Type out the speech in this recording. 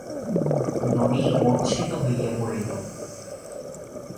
ননি মূর্ছিত হইয়া পড়িল।